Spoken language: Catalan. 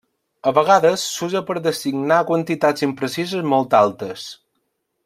A vegades s'usa per designar quantitats imprecises molt altes.